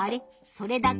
それだけ？